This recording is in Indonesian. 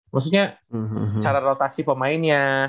maksudnya cara rotasi pemainnya